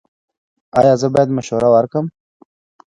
ایا زه باید مشوره ورکړم؟